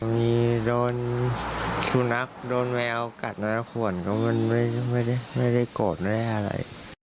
มีโดนทุนนักโดนแมวกัดมาแล้วขวนก็ไม่ได้โกรธอะไร